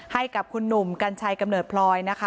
ให้กับคุณหนุ่มกัญชัยกำเนิดพลอยนะคะ